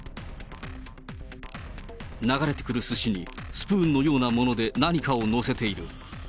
流れてくるすしにスプーンのようなもので何かを載せている。